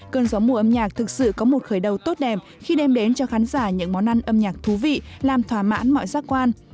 cơn gió mùa âm nhạc thực sự có một khởi đầu tốt đẹp khi đem đến cho khán giả những món ăn âm nhạc thú vị làm thỏa mãn mọi giác quan